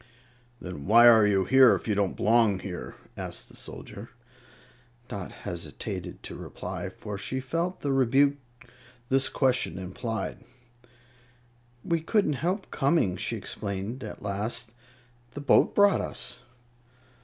"Then why are you here, if you don't belong here?" asked the soldier. Dot hesitated to reply, for she felt the rebuke this question implied. "We couldn't help coming," she explained, at last; "the boat brought us."